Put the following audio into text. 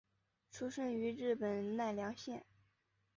出身于日本奈良县。